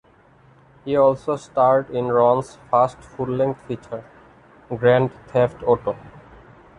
He also starred in Ron's first full length feature, "Grand Theft Auto".